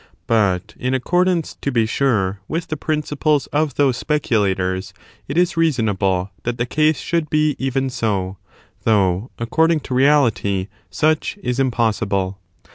But, in gJgSms^^"* accordance, to be sure, with the prindples of those regard of speculators, it is reasonable that the case should ^^""'* be even so ; though, according to reality, such is impossible.